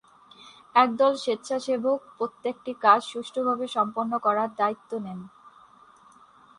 একদল স্বেচ্ছাসেবক প্রত্যেকটি কাজ সুষ্ঠুভাবে সম্পন্ন করার দায়িত্ব নেন।